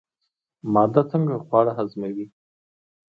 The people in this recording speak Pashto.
معده څنګه خواړه هضموي؟